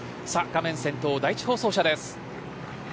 画面先頭、第１放送車です。